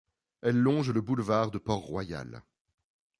Elle longe le boulevard de Port-Royal.